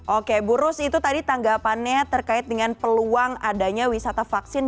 oke bu rus itu tadi tanggapannya terkait dengan peluang adanya wisata vaksin